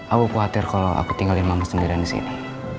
aku khawatir kalau aku tinggalin mama sendiri di sini